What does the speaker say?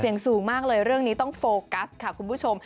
เสียงสูงมากเลยเรื่องนี้ต้องโฟกัสค่ะคุณผู้ชม